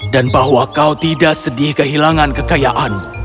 dan bahwa kau tidak sedih kehilangan kekayaan